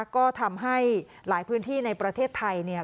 ก็ทำให้หลายพื้นที่ในประเทศไทยเนี่ย